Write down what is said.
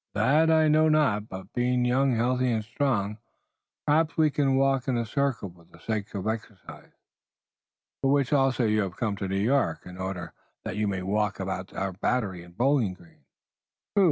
"That I know not, but being young, healthy and strong, perhaps we walk in a circle for the sake of exercise." "For which also you have come to New York in order that you may walk about our Battery and Bowling Green." "True!